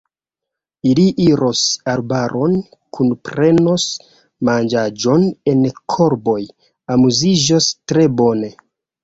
Ili iros arbaron, kunprenos manĝaĵon en korboj, amuziĝos tre bone.